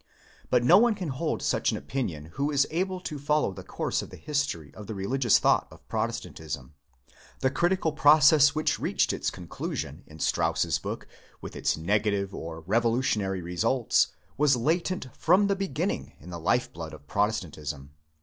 But no one can hold such an opinion who is able to follow the course of the history of the religious thought of Protestantism, The critical process which reached its conclusion in Strauss's book, with its negative or revolutionary results, was latent from the beginning in the life blood of Protestantism.